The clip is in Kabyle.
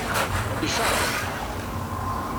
Icaḍ!